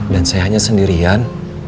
dan saya hanya sendirian